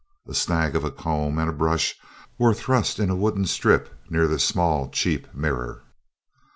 A snag of a comb and a brush were thrust in a wooden strip near the small cheap mirror.